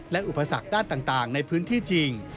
และอุปสรรคด้านต่างในพื้นที่จริง